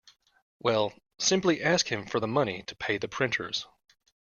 Well, simply ask him for the money to pay the printers.